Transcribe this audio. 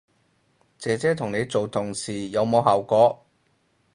姐姐同你做同事有冇效果